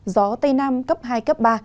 gió tây nam cấp hai cấp ba